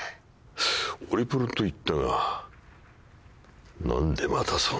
オリプロと言ったが何でまたそんな。